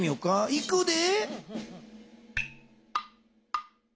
いくで。